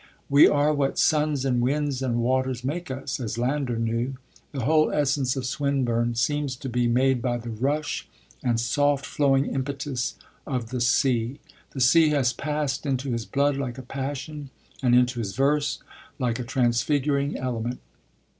'We are what suns and winds and waters make us,' as Landor knew: the whole essence of Swinburne seems to be made by the rush and soft flowing impetus of the sea. The sea has passed into his blood like a passion and into his verse like a transfiguring element.